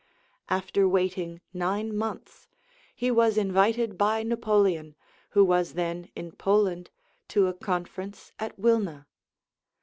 After waiting nine months, he was invited by Napoleon, who was then in Poland, to a conference at Wilna.